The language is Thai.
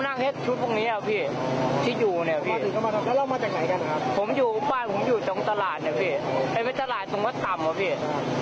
ไม่รู้เลยพี่มาถึงเกือนโดโดนปั๊บเลย